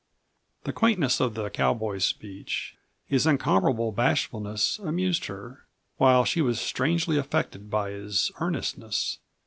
The quaintness of the cowboy speech, his incomparable bashfulness, amused her, while she was strangely affected by his earnestness.